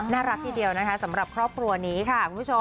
น่ารักทีเดียวสำหรับครอบครัวนี้ค่ะ